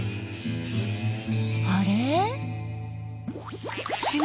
あれ？